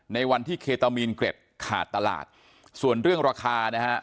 ในวันที่เคตามีนเกร็ดขาดตลาดส่วนเรื่องราคานะฮะ